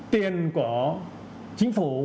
tiền của chính phủ